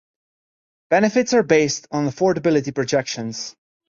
Benefits are based on affordability projections.